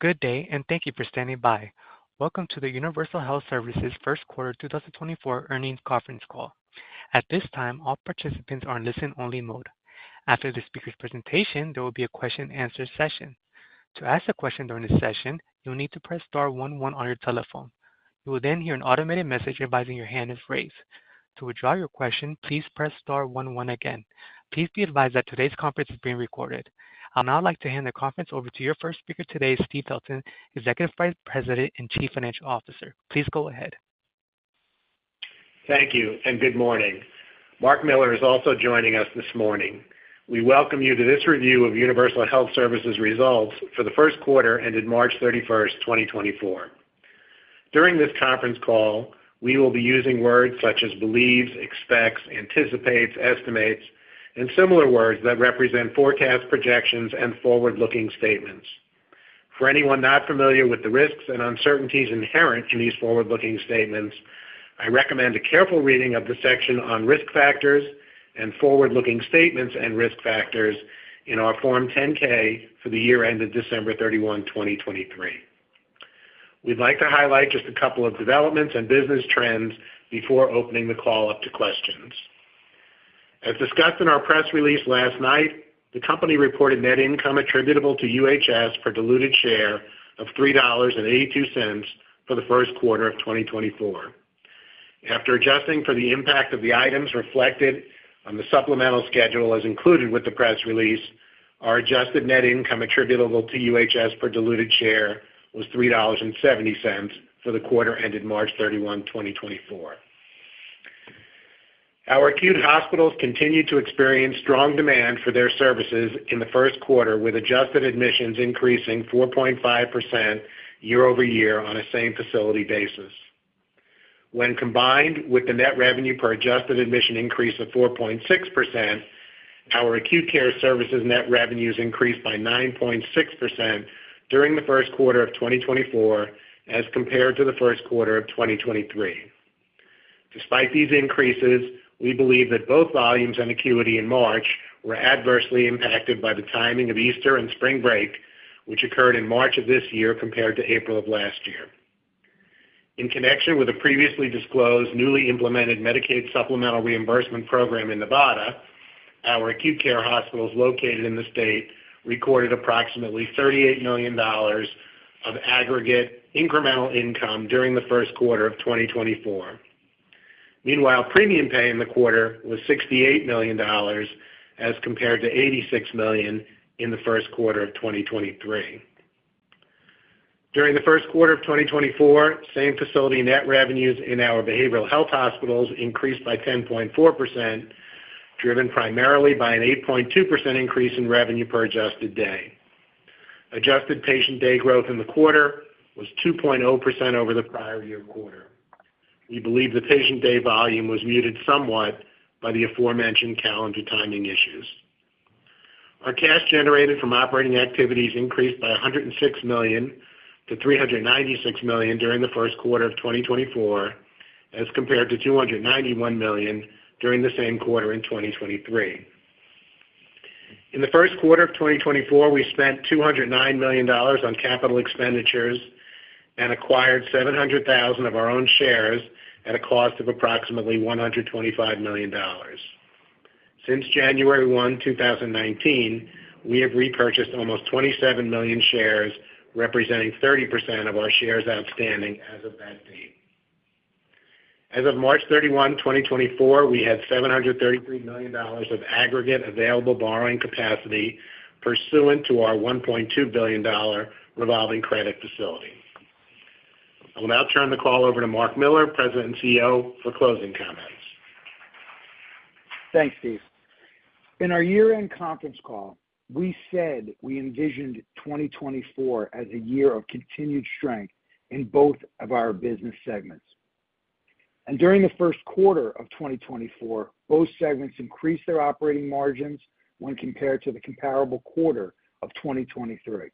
Good day, and thank you for standing by. Welcome to the Universal Health Services First Quarter 2024 Earnings Conference Call. At this time, all participants are in listen-only mode. After the speaker's presentation, there will be a Q&A session. To ask a question during this session, you'll need to press star one one on your telephone. You will then hear an automated message advising your hand is raised. To withdraw your question, please press star one one again. Please be advised that today's conference is being recorded. I'd now like to hand the conference over to your first speaker today, Steve Filton, Executive Vice President and Chief Financial Officer. Please go ahead. Thank you, and good morning. Marc Miller is also joining us this morning. We welcome you to this review of Universal Health Services results for the first quarter ended March 31, 2024. During this conference call, we will be using words such as believes, expects, anticipates, estimates, and similar words that represent forecast projections and forward-looking statements. For anyone not familiar with the risks and uncertainties inherent in these forward-looking statements, I recommend a careful reading of the section on risk factors and forward-looking statements and risk factors in our Form 10-K for the year ended December 31, 2023. We'd like to highlight just a couple of developments and business trends before opening the call up to questions. As discussed in our press release last night, the company reported net income attributable to UHS per diluted share of $3.82 for the first quarter of 2024. After adjusting for the impact of the items reflected on the supplemental schedule as included with the press release, our adjusted net income attributable to UHS per diluted share was $3.70 for the quarter ended March 31, 2024. Our acute hospitals continued to experience strong demand for their services in the first quarter, with adjusted admissions increasing 4.5% year-over-year on a same-facility basis. When combined with the net revenue per adjusted admission increase of 4.6%, our acute care services net revenues increased by 9.6% during the first quarter of 2024 as compared to the first quarter of 2023. Despite these increases, we believe that both volumes and acuity in March were adversely impacted by the timing of Easter and spring break, which occurred in March of this year compared to April of last year. In connection with the previously disclosed newly implemented Medicaid supplemental reimbursement program in Nevada, our acute care hospitals located in the state recorded approximately $38 million of aggregate incremental income during the first quarter of 2024. Meanwhile, premium pay in the quarter was $68 million as compared to $86 million in the first quarter of 2023. During the first quarter of 2024, same-facility net revenues in our behavioral health hospitals increased by 10.4%, driven primarily by an 8.2% increase in revenue per adjusted day. Adjusted patient day growth in the quarter was 2.0% over the prior year quarter. We believe the patient day volume was muted somewhat by the aforementioned calendar timing issues. Our cash generated from operating activities increased by $106 million to $396 million during the first quarter of 2024 as compared to $291 million during the same quarter in 2023. In the first quarter of 2024, we spent $209 million on capital expenditures and acquired 700,000 of our own shares at a cost of approximately $125 million. Since January 1, 2019, we have repurchased almost 27 million shares, representing 30% of our shares outstanding as of that date. As of March 31, 2024, we had $733 million of aggregate available borrowing capacity pursuant to our $1.2 billion revolving credit facility. I will now turn the call over to Marc Miller, President and CEO, for closing comments. Thanks, Steve. In our year-end conference call, we said we envisioned 2024 as a year of continued strength in both of our business segments. During the first quarter of 2024, both segments increased their operating margins when compared to the comparable quarter of 2023.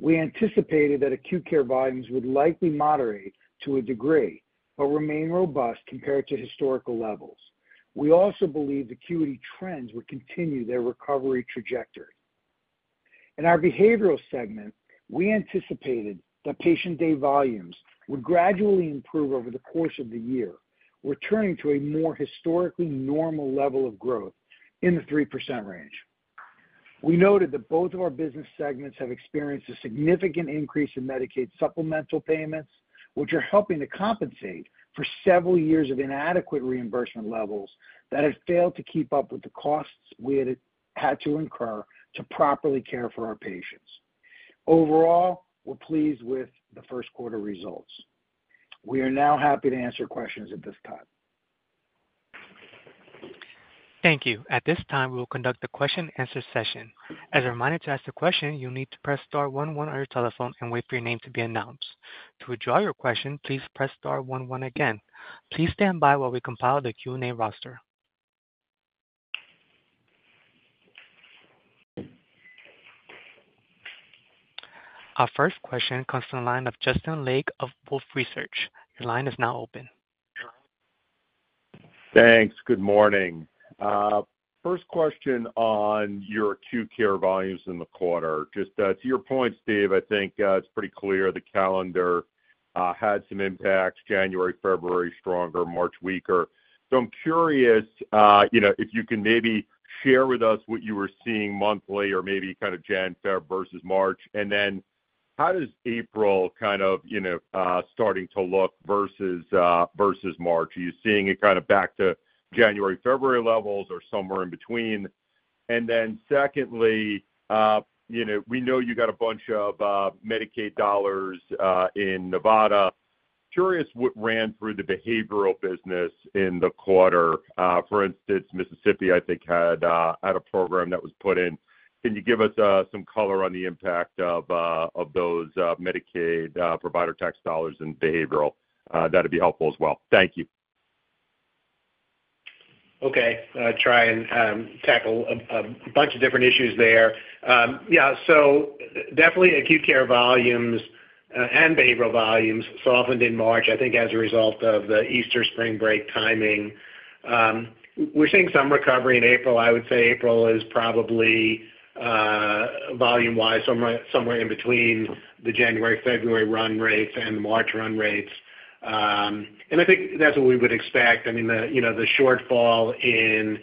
We anticipated that acute care volumes would likely moderate to a degree but remain robust compared to historical levels. We also believed acuity trends would continue their recovery trajectory. In our behavioral segment, we anticipated that patient day volumes would gradually improve over the course of the year, returning to a more historically normal level of growth in the 3% range. We noted that both of our business segments have experienced a significant increase in Medicaid supplemental payments, which are helping to compensate for several years of inadequate reimbursement levels that had failed to keep up with the costs we had had to incur to properly care for our patients. Overall, we're pleased with the first quarter results. We are now happy to answer questions at this time. Thank you. At this time, we will conduct the Q&A session. As a reminder to ask the question, you'll need to press star one one on your telephone and wait for your name to be announced. To withdraw your question, please press star one one again. Please stand by while we compile the Q&A roster. Our first question comes from a line of Justin Lake of Wolfe Research. Your line is now open. Thanks. Good morning. First question on your acute care volumes in the quarter. Just to your point, Steve, I think it's pretty clear the calendar had some impacts: January, February stronger, March weaker. So I'm curious if you can maybe share with us what you were seeing monthly or maybe kind of Jan, February versus March, and then how does April kind of starting to look versus March? Are you seeing it kind of back to January, February levels, or somewhere in between? And then secondly, we know you got a bunch of Medicaid dollars in Nevada. Curious what ran through the behavioral business in the quarter. For instance, Mississippi, I think, had a program that was put in. Can you give us some color on the impact of those Medicaid provider tax dollars and behavioral? That'd be helpful as well. Thank you. Okay. I'll try and tackle a bunch of different issues there. Yeah, so definitely acute care volumes and behavioral volumes softened in March, I think, as a result of the Easter/spring break timing. We're seeing some recovery in April. I would say April is probably volume-wise somewhere in between the January, February run rates and the March run rates. And I think that's what we would expect. I mean, the shortfall in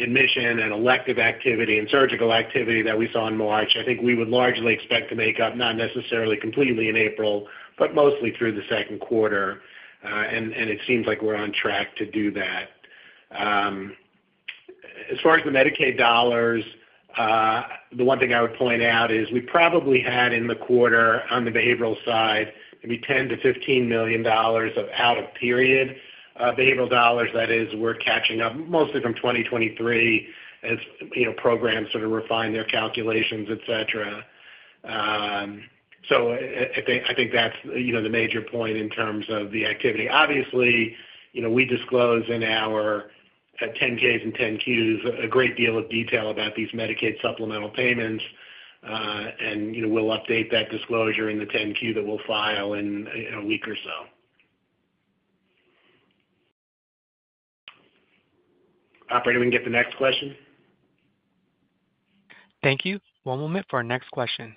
admission and elective activity and surgical activity that we saw in March, I think we would largely expect to make up, not necessarily completely in April, but mostly through the second quarter, and it seems like we're on track to do that. As far as the Medicaid dollars, the one thing I would point out is we probably had in the quarter on the behavioral side maybe $10 million-$15 million of out-of-period behavioral dollars that is, we're catching up mostly from 2023 as programs sort of refine their calculations, etc. So I think that's the major point in terms of the activity. Obviously, we disclose in our 10-Ks and 10-Qs a great deal of detail about these Medicaid supplemental payments, and we'll update that disclosure in the 10-Q that we'll file in a week or so. Operator, we can get the next question. Thank you. One moment for our next question.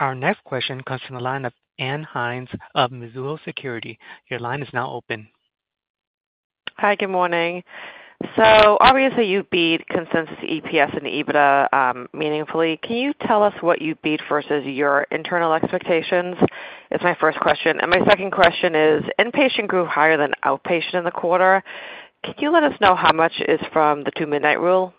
Our next question comes from the line of Ann Hynes of Mizuho Securities. Your line is now open. Hi. Good morning. So obviously, you beat consensus EPS and EBITDA meaningfully. Can you tell us what you beat versus your internal expectations? It's my first question. And my second question is, inpatient grew higher than outpatient in the quarter. Can you let us know how much is from the Two-Midnight Rule?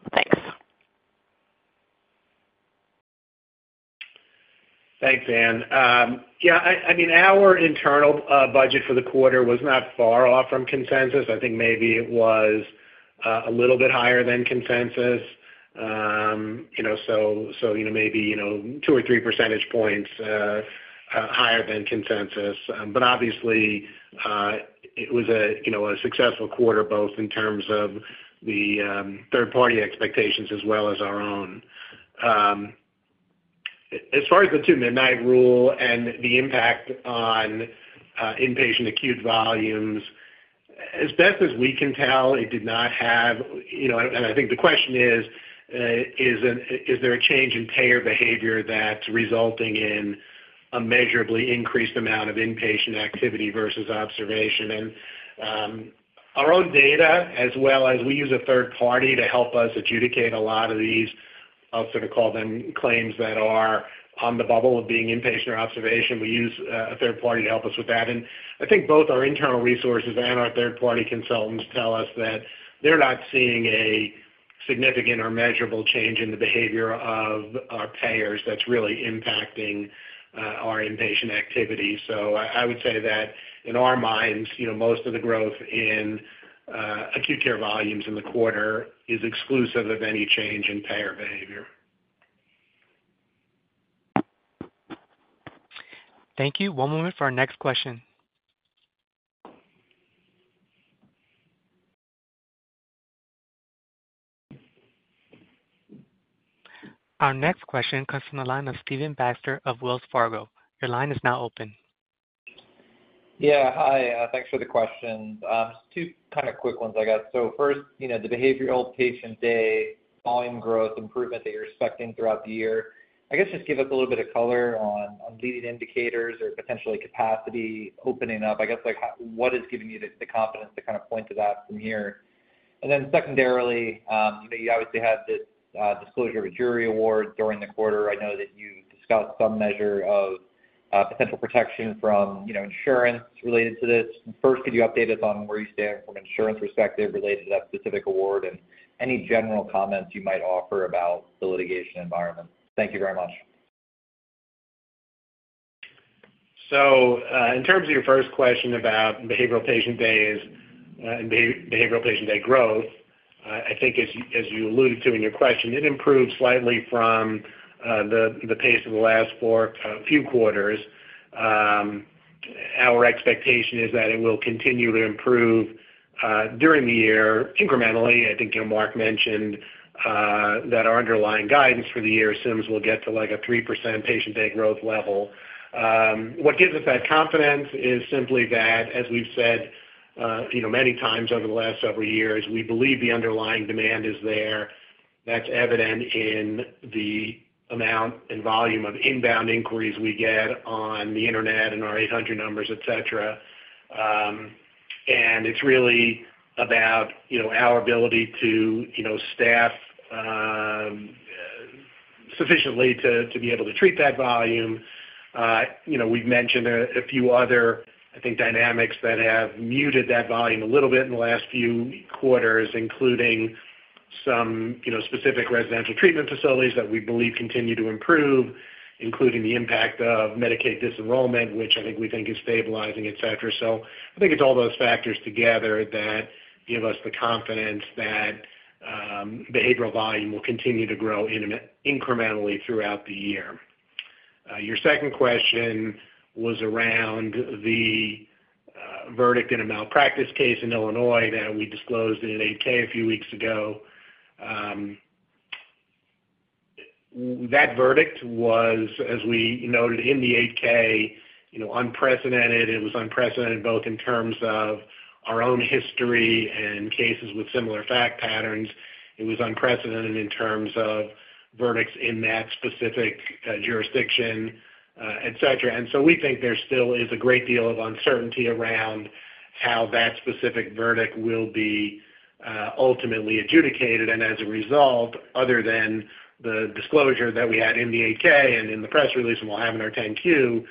Thanks. Thanks, Ann. Yeah, I mean, our internal budget for the quarter was not far off from consensus. I think maybe it was a little bit higher than consensus, so maybe two or three percentage points higher than consensus. But obviously, it was a successful quarter both in terms of the third-party expectations as well as our own. As far as the Two-Midnight Rule and the impact on inpatient acute volumes, as best as we can tell, it did not have. And I think the question is, is there a change in payer behavior that's resulting in a measurably increased amount of inpatient activity versus observation? And our own data, as well as we use a third party to help us adjudicate a lot of these - I'll sort of call them claims - that are on the bubble of being inpatient or observation. We use a third-party to help us with that. And I think both our internal resources and our third-party consultants tell us that they're not seeing a significant or measurable change in the behavior of our payers that's really impacting our inpatient activity. So I would say that in our minds, most of the growth in acute care volumes in the quarter is exclusive of any change in payer behavior. Thank you. One moment for our next question. Our next question comes from the line of Stephen Baxter of Wells Fargo. Your line is now open. Yeah. Hi. Thanks for the questions. Just two kind of quick ones, I guess. So first, the behavioral patient day, volume growth, improvement that you're expecting throughout the year. I guess just give us a little bit of color on leading indicators or potentially capacity opening up. I guess what is giving you the confidence to kind of point to that from here? And then secondarily, you obviously had this disclosure of a jury award during the quarter. I know that you discussed some measure of potential protection from insurance related to this. First, could you update us on where you stand from an insurance perspective related to that specific award and any general comments you might offer about the litigation environment? Thank you very much. In terms of your first question about behavioral patient days and behavioral patient day growth, I think as you alluded to in your question, it improved slightly from the pace of the last few quarters. Our expectation is that it will continue to improve during the year incrementally. I think Marc mentioned that our underlying guidance for the year assumes we'll get to a 3% patient day growth level. What gives us that confidence is simply that, as we've said many times over the last several years, we believe the underlying demand is there. That's evident in the amount and volume of inbound inquiries we get on the internet and our 800 numbers, etc. It's really about our ability to staff sufficiently to be able to treat that volume. We've mentioned a few other, I think, dynamics that have muted that volume a little bit in the last few quarters, including some specific residential treatment facilities that we believe continue to improve, including the impact of Medicaid disenrollment, which I think we think is stabilizing, etc. So I think it's all those factors together that give us the confidence that behavioral volume will continue to grow incrementally throughout the year. Your second question was around the verdict in a malpractice case in Illinois that we disclosed in an 8-K a few weeks ago. That verdict was, as we noted in the 8-K, unprecedented. It was unprecedented both in terms of our own history and cases with similar fact patterns. It was unprecedented in terms of verdicts in that specific jurisdiction, etc.So we think there still is a great deal of uncertainty around how that specific verdict will be ultimately adjudicated. As a result, other than the disclosure that we had in the 8-K and in the press release and we'll have in our 10-Q,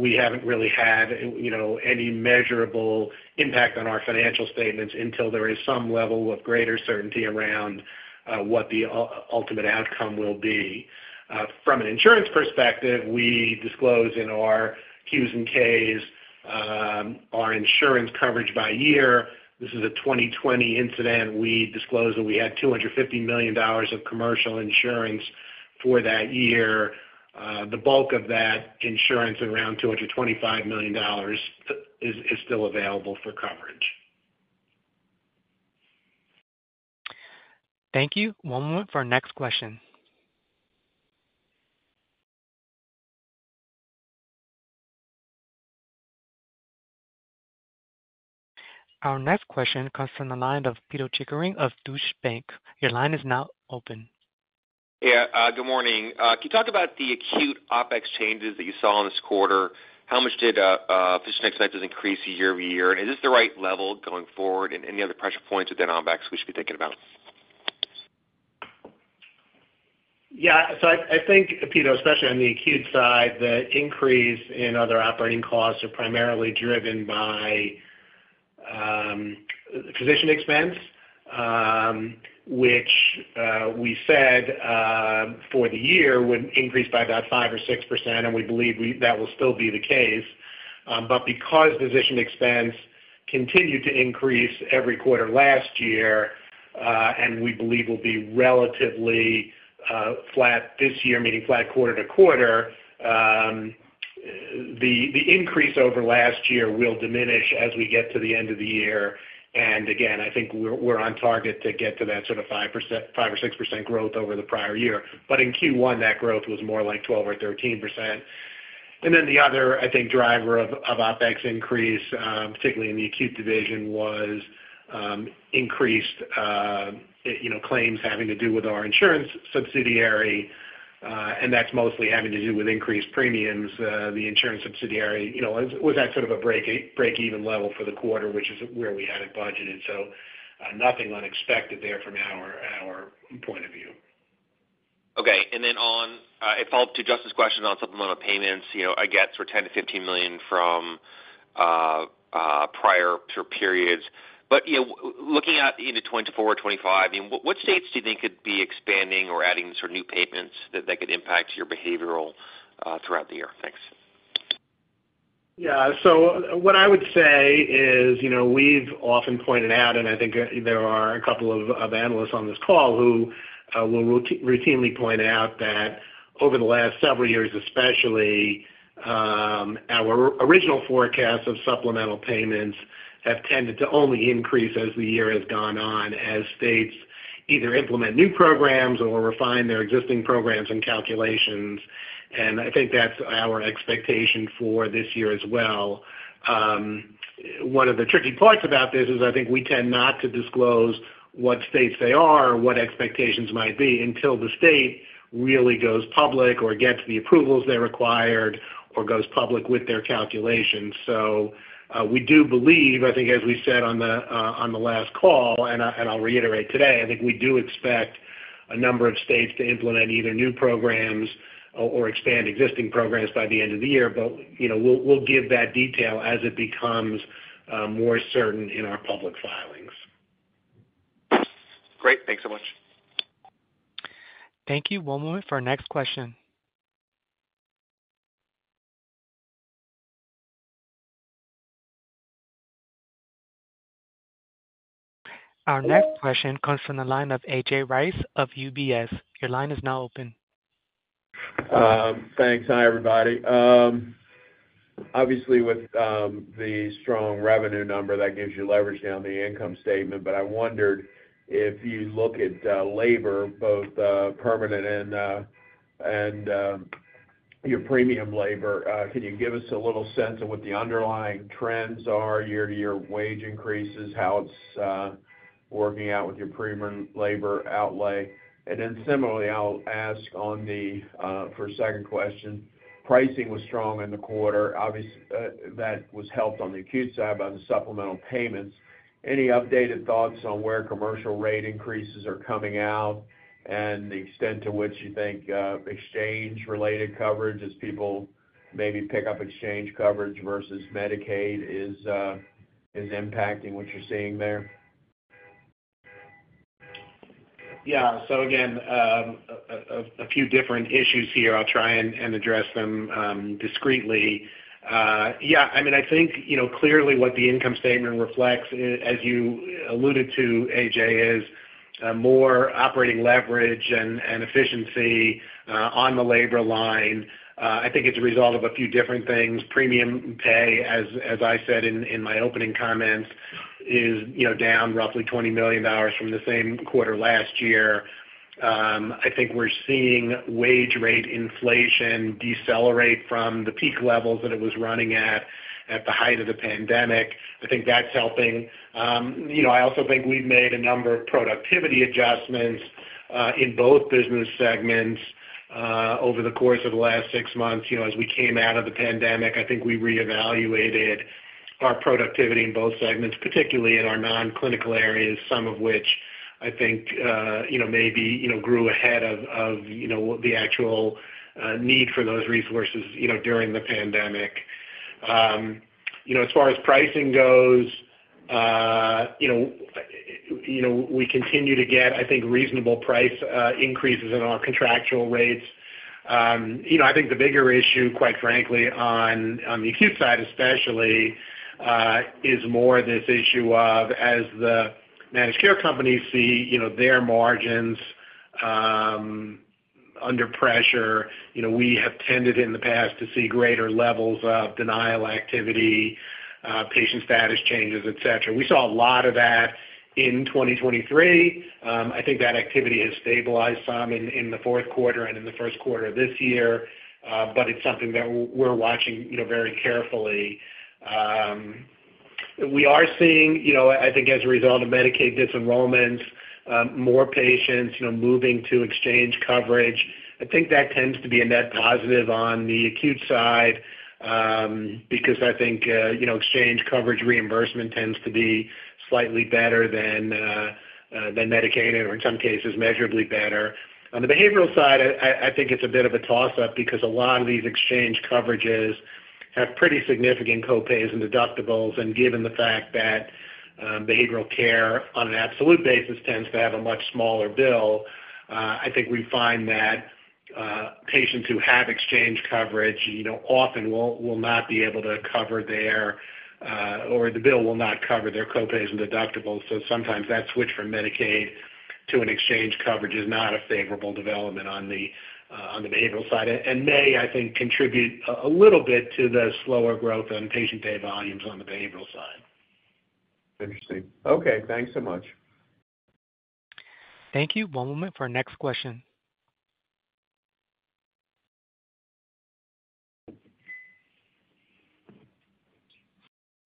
we haven't really had any measurable impact on our financial statements until there is some level of greater certainty around what the ultimate outcome will be. From an insurance perspective, we disclose in our Qs and Ks; our insurance coverage by year. This is a 2020 incident. We disclose that we had $250 million of commercial insurance for that year. The bulk of that insurance, around $225 million, is still available for coverage. Thank you. One moment for our next question. Our next question comes from the line of Pito Chickering of Deutsche Bank. Your line is now open. Yeah. Good morning. Can you talk about the acute OpEx changes that you saw in this quarter? How much did physician expenses increase year-over-year? And is this the right level going forward? And any other pressure points within OpEx we should be thinking about? Yeah. So I think, Peter, especially on the acute side, the increase in other operating costs are primarily driven by physician expense, which we said for the year would increase by about 5% or 6%, and we believe that will still be the case. But because physician expense continued to increase every quarter last year and we believe will be relatively flat this year, meaning flat quarter-to-quarter, the increase over last year will diminish as we get to the end of the year. And again, I think we're on target to get to that sort of 5% or 6% growth over the prior year. But in Q1, that growth was more like 12% or 13%. And then the other, I think, driver of OpEx increase, particularly in the acute division, was increased claims having to do with our insurance subsidiary. That's mostly having to do with increased premiums. The insurance subsidiary was at sort of a break-even level for the quarter, which is where we had it budgeted. Nothing unexpected there from our point of view. Okay. Then it followed to Justin's question on supplemental payments. I get sort of $10 million-$15 million from prior periods. But looking into 2024 or 2025, what states do you think could be expanding or adding sort of new payments that could impact your behavioral throughout the year? Thanks. Yeah. So what I would say is we've often pointed out, and I think there are a couple of analysts on this call who will routinely point out that over the last several years, especially, our original forecasts of supplemental payments have tended to only increase as the year has gone on as states either implement new programs or refine their existing programs and calculations. And I think that's our expectation for this year as well. One of the tricky parts about this is I think we tend not to disclose what states they are or what expectations might be until the state really goes public or gets the approvals they required or goes public with their calculations. We do believe, I think, as we said on the last call, and I'll reiterate today, I think we do expect a number of states to implement either new programs or expand existing programs by the end of the year. We'll give that detail as it becomes more certain in our public filings. Great. Thanks so much. Thank you. One moment for our next question. Our next question comes from the line of A.J. Rice of UBS. Your line is now open. Thanks. Hi, everybody. Obviously, with the strong revenue number, that gives you leverage down the income statement. But I wondered if you look at labor, both permanent and your premium labor, can you give us a little sense of what the underlying trends are year-over-year, wage increases, how it's working out with your premium labor outlay? And then similarly, I'll ask for a second question. Pricing was strong in the quarter. Obviously, that was helped on the acute side by the supplemental payments. Any updated thoughts on where commercial rate increases are coming out and the extent to which you think exchange-related coverage, as people maybe pick up exchange coverage versus Medicaid, is impacting what you're seeing there? Yeah. So again, a few different issues here. I'll try and address them discretely. Yeah. I mean, I think clearly what the income statement reflects, as you alluded to, A.J., is more operating leverage and efficiency on the labor line. I think it's a result of a few different things. Premium pay, as I said in my opening comments, is down roughly $20 million from the same quarter last year. I think we're seeing wage-rate inflation decelerate from the peak levels that it was running at at the height of the pandemic. I think that's helping. I also think we've made a number of productivity adjustments in both business segments over the course of the last six months. As we came out of the pandemic, I think we reevaluated our productivity in both segments, particularly in our non-clinical areas, some of which I think maybe grew ahead of the actual need for those resources during the pandemic. As far as pricing goes, we continue to get, I think, reasonable price increases in our contractual rates. I think the bigger issue, quite frankly, on the acute side especially, is more this issue of as the managed care companies see their margins under pressure, we have tended in the past to see greater levels of denial activity, patient status changes, etc. We saw a lot of that in 2023. I think that activity has stabilized some in the fourth quarter and in the first quarter of this year, but it's something that we're watching very carefully. We are seeing, I think, as a result of Medicaid disenrollments, more patients moving to exchange coverage. I think that tends to be a net positive on the acute side because I think exchange coverage reimbursement tends to be slightly better than Medicaid or in some cases, measurably better. On the behavioral side, I think it's a bit of a toss-up because a lot of these exchange coverages have pretty significant co-pays and deductibles. And given the fact that behavioral care on an absolute basis tends to have a much smaller bill, I think we find that patients who have exchange coverage often will not be able to cover their, or the bill will not cover their, co-pays and deductibles. Sometimes that switch from Medicaid to an exchange coverage is not a favorable development on the behavioral side and may, I think, contribute a little bit to the slower growth in patient day volumes on the behavioral side. Interesting. Okay. Thanks so much. Thank you. One moment for our next question.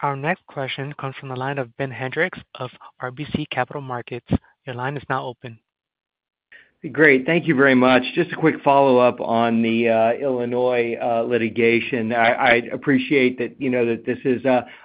Our next question comes from the line of Ben Hendrix of RBC Capital Markets. Your line is now open. Great. Thank you very much. Just a quick follow-up on the Illinois litigation. I appreciate that this is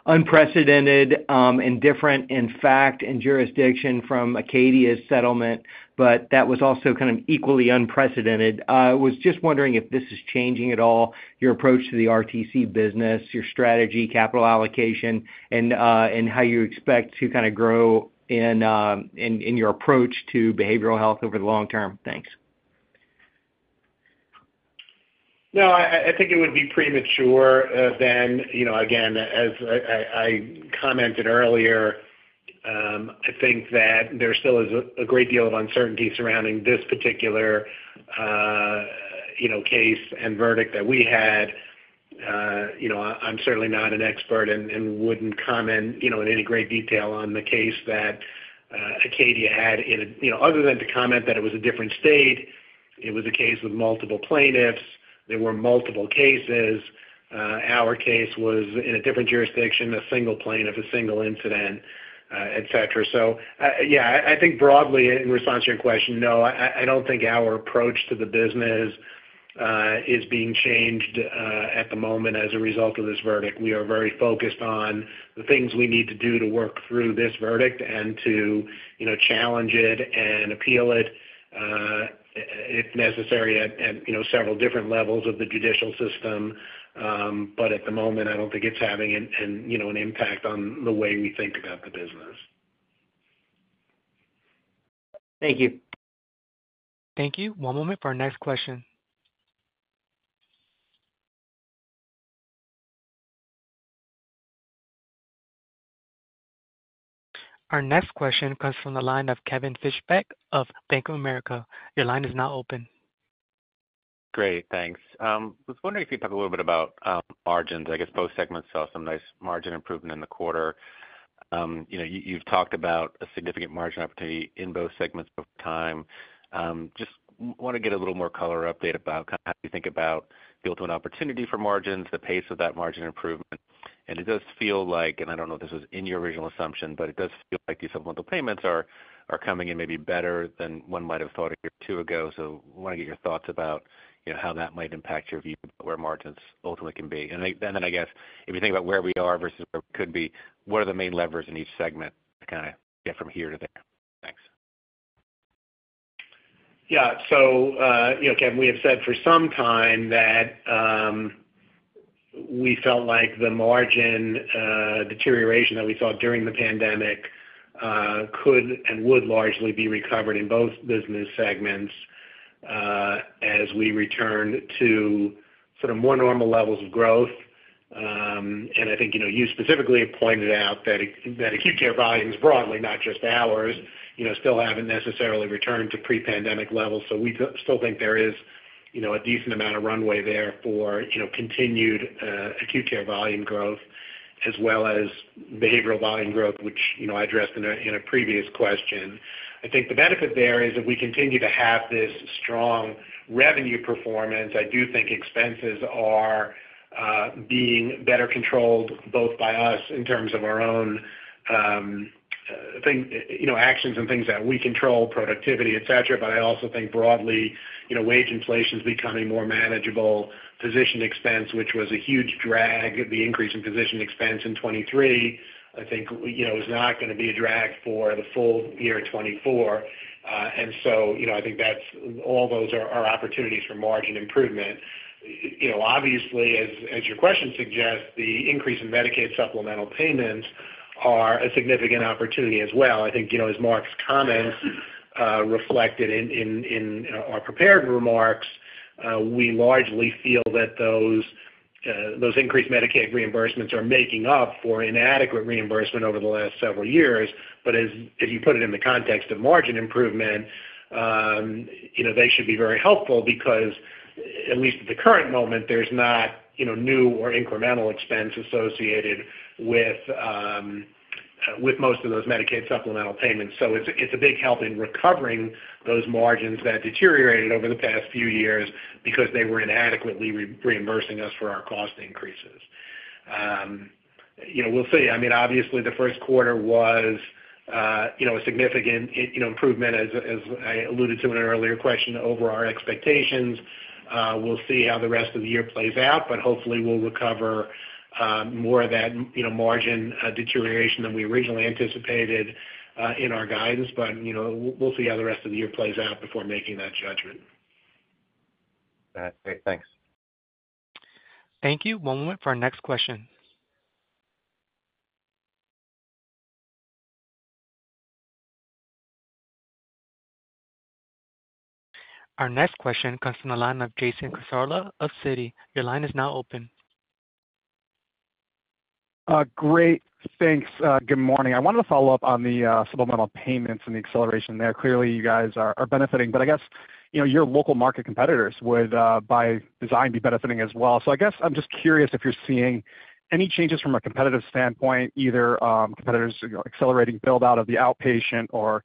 unprecedented and different in fact and jurisdiction from Acadia's settlement, but that was also kind of equally unprecedented. I was just wondering if this is changing at all your approach to the RTC business, your strategy, capital allocation, and how you expect to kind of grow in your approach to behavioral health over the long term. Thanks. No. I think it would be premature then. Again, as I commented earlier, I think that there still is a great deal of uncertainty surrounding this particular case and verdict that we had. I'm certainly not an expert and wouldn't comment in any great detail on the case that Acadia had other than to comment that it was a different state, it was a case with multiple plaintiffs. There were multiple cases. Our case was in a different jurisdiction, a single plaintiff, a single incident, etc. So yeah, I think broadly, in response to your question, no. I don't think our approach to the business is being changed at the moment as a result of this verdict. We are very focused on the things we need to do to work through this verdict and to challenge it and appeal it if necessary at several different levels of the judicial system. But at the moment, I don't think it's having an impact on the way we think about the business. Thank you. Thank you. One moment for our next question. Our next question comes from the line of Kevin Fischbeck of Bank of America. Your line is now open. Great. Thanks. I was wondering if you could talk a little bit about margins. I guess both segments saw some nice margin improvement in the quarter. You've talked about a significant margin opportunity in both segments over time. Just want to get a little more color update about kind of how you think about the ultimate opportunity for margins, the pace of that margin improvement. And it does feel like and I don't know if this was in your original assumption, but it does feel like these supplemental payments are coming in maybe better than one might have thought a year or two ago. So I want to get your thoughts about how that might impact your view of where margins ultimately can be. And then I guess if you think about where we are versus where we could be, what are the main levers in each segment to kind of get from here to there? Thanks. Yeah. So Kevin, we have said for some time that we felt like the margin deterioration that we saw during the pandemic could and would largely be recovered in both business segments as we returned to sort of more normal levels of growth. And I think you specifically pointed out that acute care volumes broadly, not just ours, still haven't necessarily returned to pre-pandemic levels. So we still think there is a decent amount of runway there for continued acute care volume growth as well as behavioral volume growth, which I addressed in a previous question. I think the benefit there is if we continue to have this strong revenue performance, I do think expenses are being better controlled both by us in terms of our own actions and things that we control, productivity, etc. But I also think broadly, wage inflation's becoming more manageable. Physician expense, which was a huge drag, the increase in physician expense in 2023, I think is not going to be a drag for the full year 2024. So I think all those are opportunities for margin improvement. Obviously, as your question suggests, the increase in Medicaid supplemental payments are a significant opportunity as well. I think as Marc's comments reflected in our prepared remarks, we largely feel that those increased Medicaid reimbursements are making up for inadequate reimbursement over the last several years. But as you put it in the context of margin improvement, they should be very helpful because at least at the current moment, there's not new or incremental expense associated with most of those Medicaid supplemental payments. So it's a big help in recovering those margins that deteriorated over the past few years because they were inadequately reimbursing us for our cost increases. We'll see. I mean, obviously, the first quarter was a significant improvement, as I alluded to in an earlier question, over our expectations. We'll see how the rest of the year plays out, but hopefully, we'll recover more of that margin deterioration than we originally anticipated in our guidance. But we'll see how the rest of the year plays out before making that judgment. Great. Thanks. Thank you. One moment for our next question. Our next question comes from the line of Jason Cassorla of Citi. Your line is now open. Great. Thanks. Good morning. I wanted to follow up on the supplemental payments and the acceleration there. Clearly, you guys are benefiting. But I guess your local market competitors would by design be benefiting as well. So I guess I'm just curious if you're seeing any changes from a competitive standpoint, either competitors accelerating buildout of the outpatient or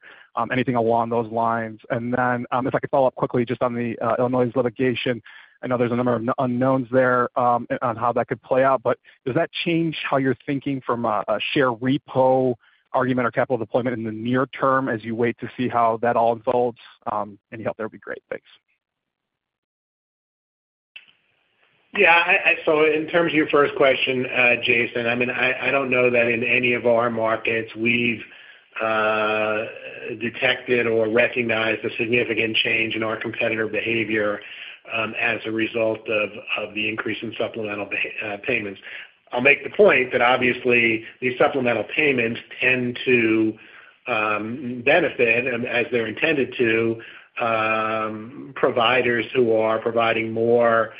anything along those lines. And then if I could follow up quickly just on the Illinois litigation, I know there's a number of unknowns there on how that could play out. But does that change how you're thinking from a share repo argument or capital deployment in the near term as you wait to see how that all unfolds? Any help there would be great. Thanks. Yeah. So in terms of your first question, Jason, I mean, I don't know that in any of our markets, we've detected or recognized a significant change in our competitor behavior as a result of the increase in supplemental payments. I'll make the point that obviously, these supplemental payments tend to benefit, as they're intended to, providers who are providing more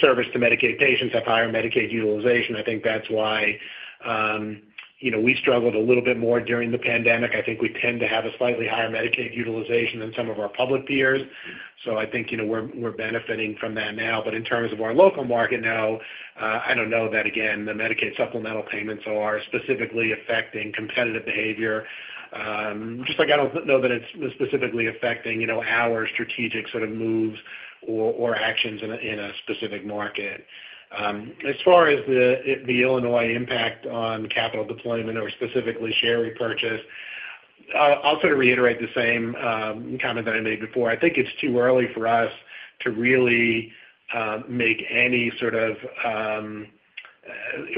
service to Medicaid patients, have higher Medicaid utilization. I think that's why we struggled a little bit more during the pandemic. I think we tend to have a slightly higher Medicaid utilization than some of our public peers. So I think we're benefiting from that now. But in terms of our local market now, I don't know that, again, the Medicaid supplemental payments are specifically affecting competitive behavior. Just like I don't know that it's specifically affecting our strategic sort of moves or actions in a specific market. As far as the Illinois impact on capital deployment or specifically share repurchase, I'll sort of reiterate the same comment that I made before. I think it's too early for us to really make any sort of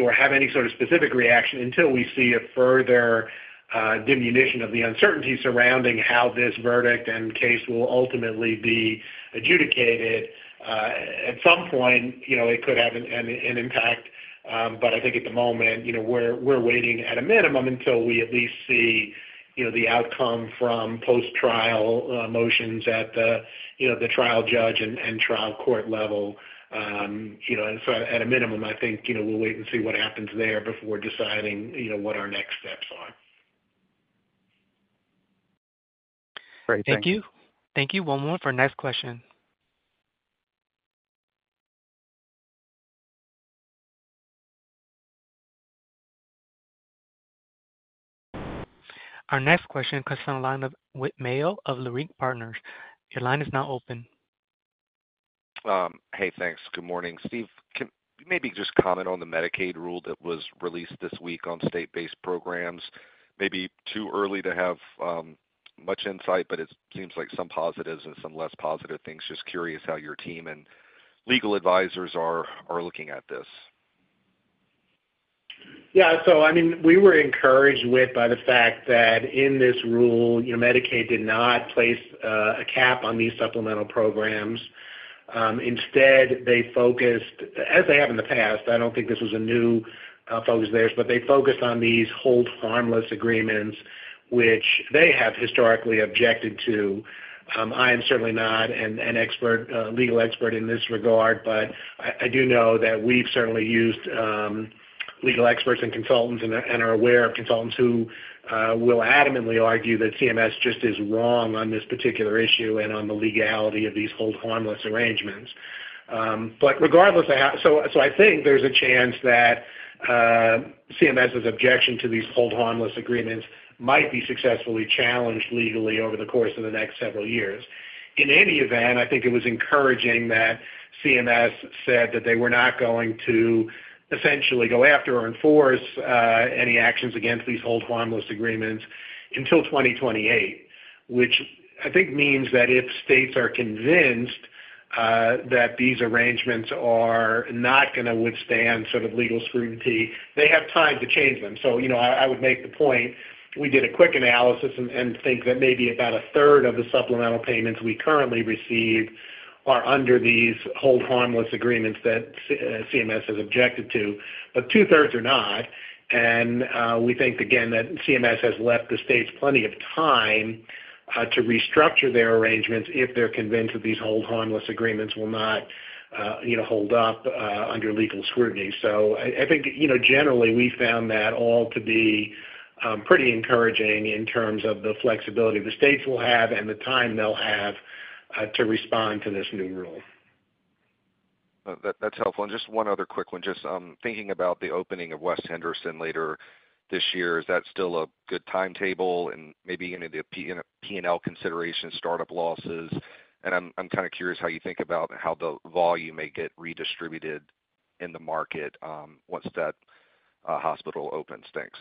or have any sort of specific reaction until we see a further diminution of the uncertainty surrounding how this verdict and case will ultimately be adjudicated. At some point, it could have an impact. But I think at the moment, we're waiting at a minimum until we at least see the outcome from post-trial motions at the trial judge and trial court level. So at a minimum, I think we'll wait and see what happens there before deciding what our next steps are. Great. Thank you. Thank you. One moment for our next question. Our next question comes from the line of Whit Mayo of Leerink Partners. Your line is now open. Hey. Thanks. Good morning, Steve. Maybe just comment on the Medicaid rule that was released this week on state-based programs. Maybe too early to have much insight, but it seems like some positives and some less positive things. Just curious how your team and legal advisors are looking at this? Yeah. So I mean, we were encouraged by the fact that in this rule, Medicaid did not place a cap on these supplemental programs. Instead, they focused as they have in the past. I don't think this was a new focus theirs, but they focused on these hold-harmless agreements, which they have historically objected to. I am certainly not an expert, legal expert in this regard, but I do know that we've certainly used legal experts and consultants and are aware of consultants who will adamantly argue that CMS just is wrong on this particular issue and on the legality of these hold-harmless arrangements. But regardless of how so I think there's a chance that CMS's objection to these hold-harmless agreements might be successfully challenged legally over the course of the next several years. In any event, I think it was encouraging that CMS said that they were not going to essentially go after or enforce any actions against these hold-harmless agreements until 2028, which I think means that if states are convinced that these arrangements are not going to withstand sort of legal scrutiny, they have time to change them. So I would make the point we did a quick analysis and think that maybe about a third of the supplemental payments we currently receive are under these hold-harmless agreements that CMS has objected to, but two-thirds are not. We think, again, that CMS has left the states plenty of time to restructure their arrangements if they're convinced that these hold-harmless agreements will not hold up under legal scrutiny. I think generally, we found that all to be pretty encouraging in terms of the flexibility the states will have and the time they'll have to respond to this new rule. That's helpful. And just one other quick one. Just thinking about the opening of West Henderson later this year, is that still a good timetable and maybe any of the P&L considerations, startup losses? And I'm kind of curious how you think about how the volume may get redistributed in the market once that hospital opens. Thanks.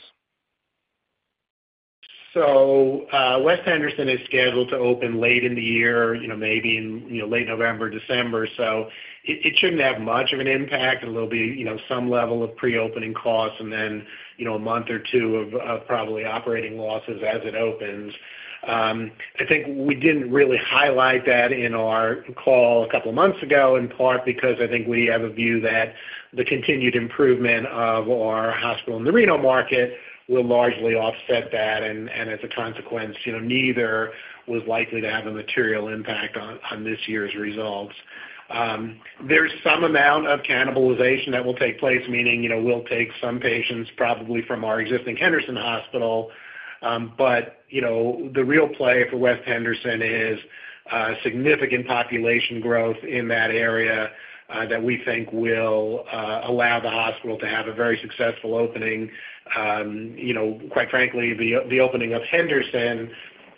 So West Henderson is scheduled to open late in the year, maybe in late November, December. So it shouldn't have much of an impact. There'll be some level of pre-opening costs and then a month or two of probably operating losses as it opens. I think we didn't really highlight that in our call a couple of months ago in part because I think we have a view that the continued improvement of our hospital in the Reno market will largely offset that. And as a consequence, neither was likely to have a material impact on this year's results. There's some amount of cannibalization that will take place, meaning we'll take some patients probably from our existing Henderson Hospital. But the real play for West Henderson is significant population growth in that area that we think will allow the hospital to have a very successful opening. Quite frankly, the opening of Henderson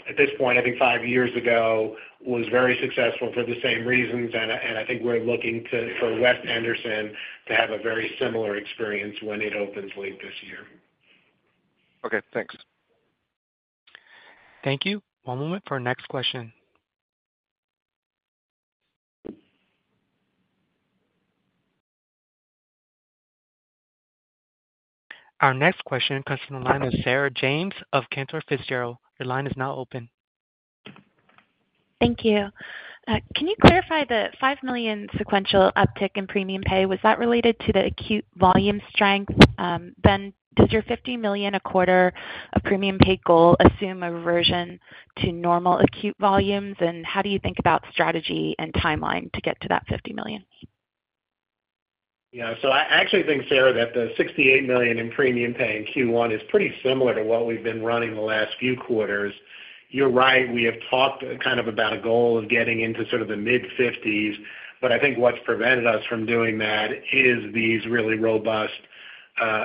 at this point, I think five years ago, was very successful for the same reasons. I think we're looking for West Henderson to have a very similar experience when it opens late this year. Okay. Thanks. Thank you. One moment for our next question. Our next question comes from the line of Sarah James of Cantor Fitzgerald. Your line is now open. Thank you. Can you clarify the $5 million sequential uptick in premium pay? Was that related to the acute volume strength? Then does your $50 million a quarter of premium pay goal assume a reversion to normal acute volumes? And how do you think about strategy and timeline to get to that $50 million? Yeah. So I actually think, Sarah, that the $68 million in premium pay in Q1 is pretty similar to what we've been running the last few quarters. You're right. We have talked kind of about a goal of getting into sort of the mid-50s. But I think what's prevented us from doing that is these really robust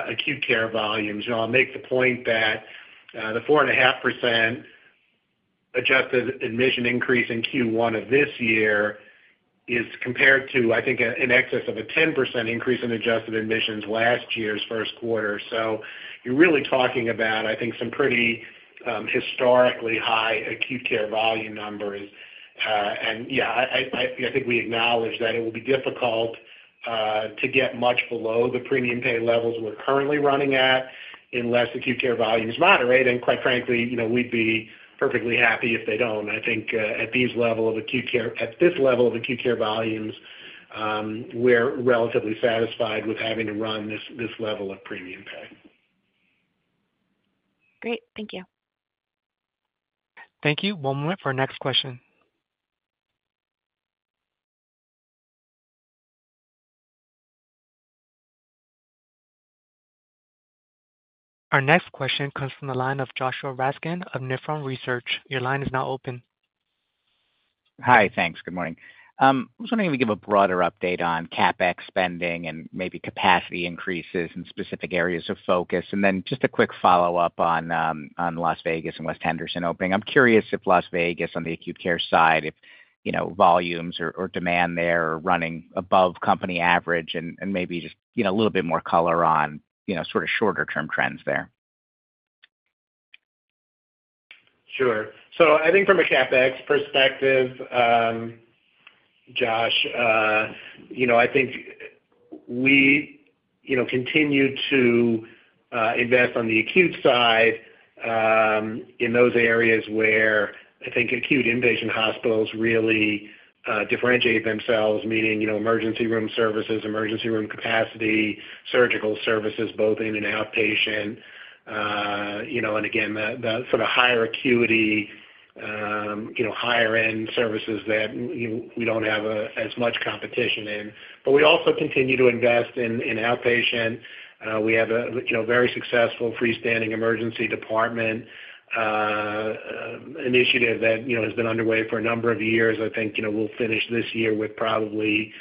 acute care volumes. And I'll make the point that the 4.5% adjusted admission increase in Q1 of this year is compared to, I think, an excess of a 10% increase in adjusted admissions last year's first quarter. So you're really talking about, I think, some pretty historically high acute care volume numbers. And yeah, I think we acknowledge that it will be difficult to get much below the premium pay levels we're currently running at unless acute care volume's moderate. And quite frankly, we'd be perfectly happy if they don't. I think at this level of acute care volumes, we're relatively satisfied with having to run this level of premium pay. Great. Thank you. Thank you. One moment for our next question. Our next question comes from the line of Joshua Raskin of Nephron Research. Your line is now open. Hi. Thanks. Good morning. I was wondering if you could give a broader update on CapEx spending and maybe capacity increases and specific areas of focus. And then just a quick follow-up on Las Vegas and West Henderson opening. I'm curious if Las Vegas, on the acute care side, if volumes or demand there are running above company average and maybe just a little bit more color on sort of shorter-term trends there. Sure. So I think from a CapEx perspective, Josh, I think we continue to invest on the acute side in those areas where I think acute inpatient hospitals really differentiate themselves, meaning emergency room services, emergency room capacity, surgical services, both inpatient and outpatient. And again, the sort of higher acuity, higher-end services that we don't have as much competition in. But we also continue to invest in outpatient. We have a very successful freestanding emergency department initiative that has been underway for a number of years. I think we'll finish this year with probably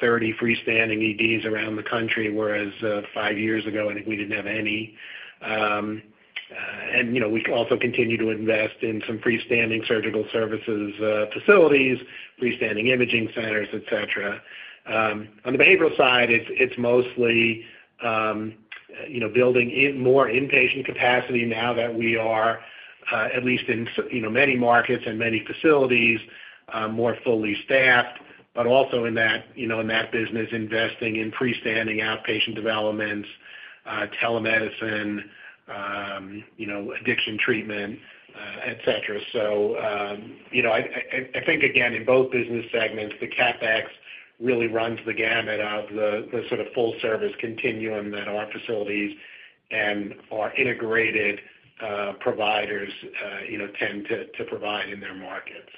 30 freestanding EDs around the country, whereas five years ago, I think we didn't have any. And we also continue to invest in some freestanding surgical services facilities, freestanding imaging centers, etc. On the behavioral side, it's mostly building more inpatient capacity now that we are, at least in many markets and many facilities, more fully staffed, but also in that business investing in freestanding outpatient developments, telemedicine, addiction treatment, etc. So I think, again, in both business segments, the CapEx really runs the gamut of the sort of full-service continuum that our facilities and our integrated providers tend to provide in their markets.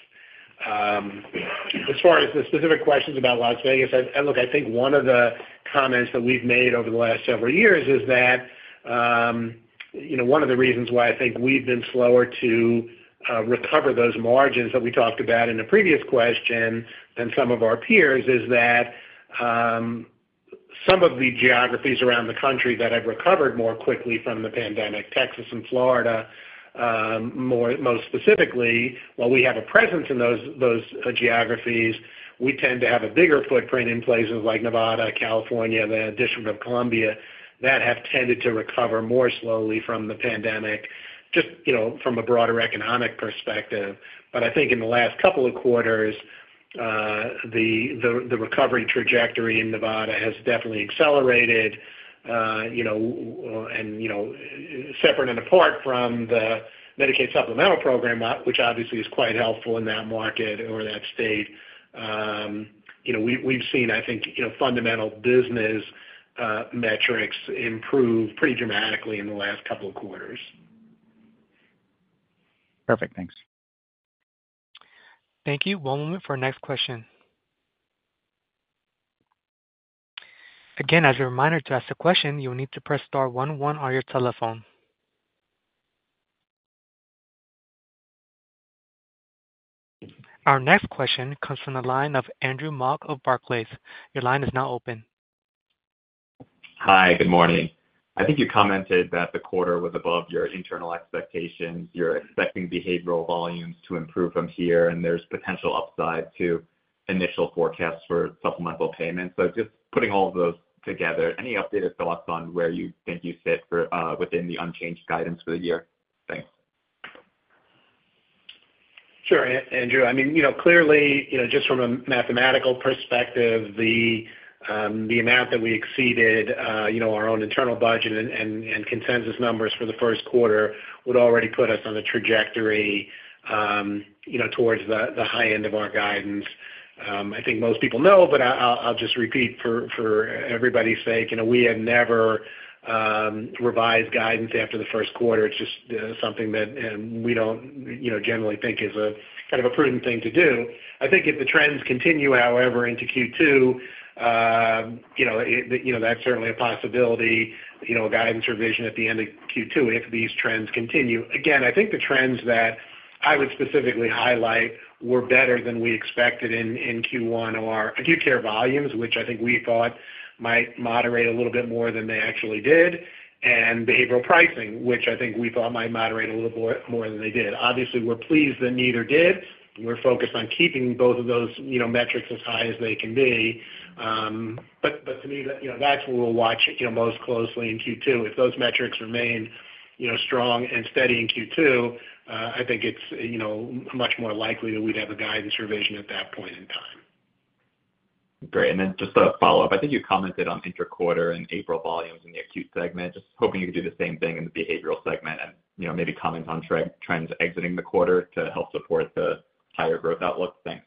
As far as the specific questions about Las Vegas, look, I think one of the comments that we've made over the last several years is that one of the reasons why I think we've been slower to recover those margins that we talked about in the previous question than some of our peers is that some of the geographies around the country that have recovered more quickly from the pandemic, Texas and Florida most specifically, while we have a presence in those geographies, we tend to have a bigger footprint in places like Nevada, California, the District of Columbia that have tended to recover more slowly from the pandemic just from a broader economic perspective. But I think in the last couple of quarters, the recovery trajectory in Nevada has definitely accelerated. Separate and apart from the Medicaid supplemental program, which obviously is quite helpful in that market or that state, we've seen, I think, fundamental business metrics improve pretty dramatically in the last couple of quarters. Perfect. Thanks. Thank you. One moment for our next question. Again, as a reminder to ask the question, you'll need to press star one one on your telephone. Our next question comes from the line of Andrew Mok of Barclays. Your line is now open. Hi. Good morning. I think you commented that the quarter was above your internal expectations. You're expecting behavioral volumes to improve from here, and there's potential upside to initial forecasts for supplemental payments. So just putting all of those together, any updated thoughts on where you think you sit within the unchanged guidance for the year? Thanks. Sure, Andrew. I mean, clearly, just from a mathematical perspective, the amount that we exceeded our own internal budget and consensus numbers for the first quarter would already put us on a trajectory towards the high end of our guidance. I think most people know, but I'll just repeat for everybody's sake. We have never revised guidance after the first quarter. It's just something that we don't generally think is kind of a prudent thing to do. I think if the trends continue, however, into Q2, that's certainly a possibility, a guidance revision at the end of Q2 if these trends continue. Again, I think the trends that I would specifically highlight were better than we expected in Q1 are acute care volumes, which I think we thought might moderate a little bit more than they actually did, and behavioral pricing, which I think we thought might moderate a little bit more than they did. Obviously, we're pleased that neither did. We're focused on keeping both of those metrics as high as they can be. But to me, that's where we'll watch most closely in Q2. If those metrics remain strong and steady in Q2, I think it's much more likely that we'd have a guidance revision at that point in time. Great. And then just a follow-up. I think you commented on interquarter and April volumes in the acute segment, just hoping you could do the same thing in the behavioral segment and maybe comment on trends exiting the quarter to help support the higher growth outlook. Thanks.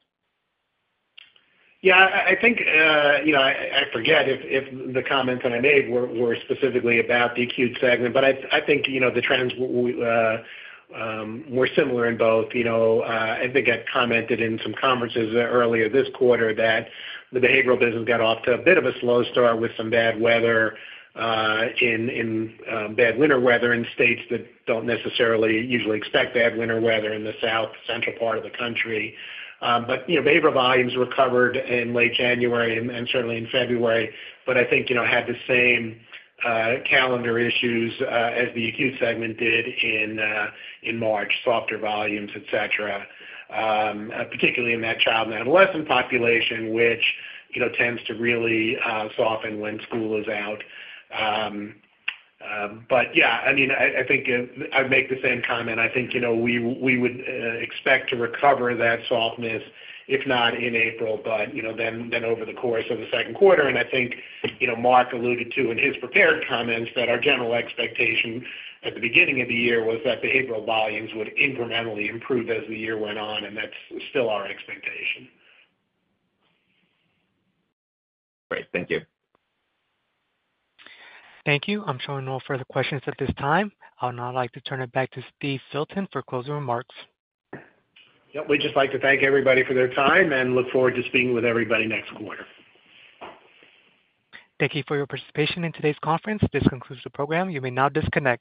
Yeah. I think I forget if the comments that I made were specifically about the acute segment, but I think the trends were similar in both. I think I commented in some conferences earlier this quarter that the behavioral business got off to a bit of a slow start with some bad weather in bad winter weather in states that don't necessarily usually expect bad winter weather in the south, central part of the country. But behavioral volumes recovered in late January and certainly in February. But I think had the same calendar issues as the acute segment did in March, softer volumes, etc., particularly in that child and adolescent population, which tends to really soften when school is out. But yeah, I mean, I think I'd make the same comment. I think we would expect to recover that softness, if not in April, but then over the course of the second quarter. I think Mark alluded to in his prepared comments that our general expectation at the beginning of the year was that behavioral volumes would incrementally improve as the year went on, and that's still our expectation. Great. Thank you. Thank you. I'm showing no further questions at this time. I'd now like to turn it back to Steve Filton for closing remarks. Yep. We'd just like to thank everybody for their time and look forward to speaking with everybody next quarter. Thank you for your participation in today's conference. This concludes the program. You may now disconnect.